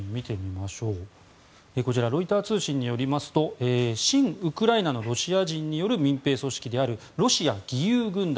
ロイター通信によりますと親ウクライナのロシア人による民兵組織であるロシア義勇軍団。